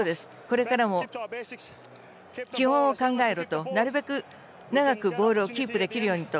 これからを考えるとなるべく長くボールをキープできるようにと。